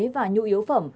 và nhu yếu phẩm